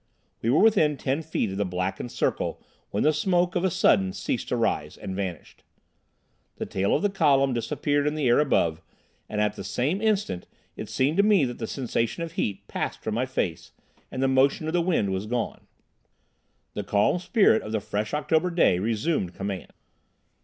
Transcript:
We were within ten feet of the blackened circle when the smoke of a sudden ceased to rise, and vanished. The tail of the column disappeared in the air above, and at the same instant it seemed to me that the sensation of heat passed from my face, and the motion of the wind was gone. The calm spirit of the fresh October day resumed command.